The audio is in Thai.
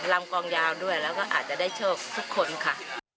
ลำกองยาวด้วยแล้วก็อาจจะได้โชคทุกคนค่ะ